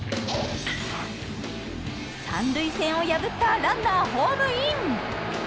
３塁線を破ったランナーホームイン！